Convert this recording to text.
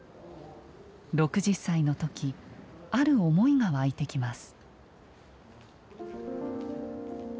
６０歳の時ある思いが湧いてきます。